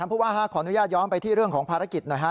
ผู้ว่าขออนุญาตย้อนไปที่เรื่องของภารกิจหน่อยฮะ